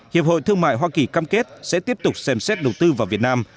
hiệp hội thương mại hoa kỳ cam kết sẽ tiếp tục xem xét đầu tư vào việt nam